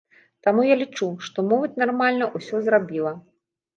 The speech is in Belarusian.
Таму я лічу, што моладзь нармальна ўсё зрабіла.